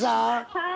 はい。